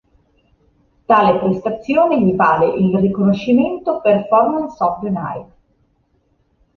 Tale prestazione gli vale il riconoscimento "Performance of the Night".